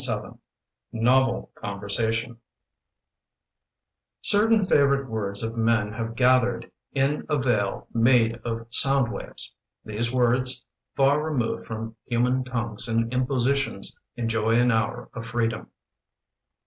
NOVEL CONVERSATION CERTAIN favorite words of men have gathered in a vale made of sound waves. These words, far re moved from human tongues and impositions, enjoy an hour of freedom.